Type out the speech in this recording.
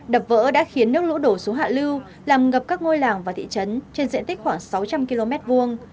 đập vỡ đã khiến nước lũ đổ xuống hạ lưu làm ngập các ngôi làng và thị trấn trên diện tích khoảng sáu trăm linh km vuông